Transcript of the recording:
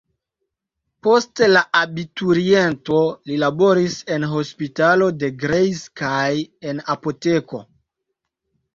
Post la abituriento, li laboris en hospitalo de Greiz kaj en apoteko.